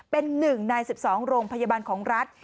เป็น๑ใน๑๒โรงพยาบาลของรัฐ